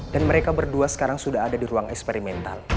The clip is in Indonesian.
dan mereka berdua sekarang sudah ada di ruang eksperimental